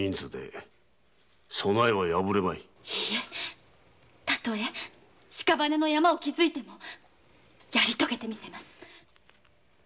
いいえ例え屍の山を築いてもやりとげてみせます